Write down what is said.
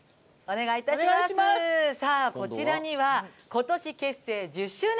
こちらには、今年結成１０周年。